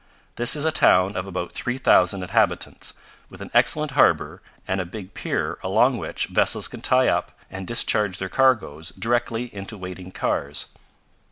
This is a town of about three thousand inhabitants, with an excellent harbor and a big pier along which vessels can tie up and discharge their cargoes directly into waiting cars.